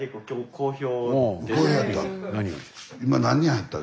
好評やった。